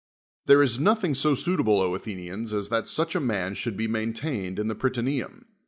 There is nothing so suitable, Athenians, as that such a man should be maintained in the Pryta neum.